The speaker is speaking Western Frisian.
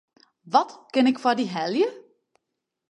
Wat kin ik foar dy helje?